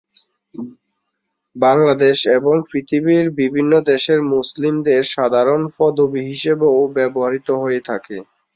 বাংলাদেশ এবং পৃথিবীর বিভিন্ন দেশের মুসলিমদের সাধারণ পদবি হিসেবে ও ব্যবহৃত হয়ে থাকে।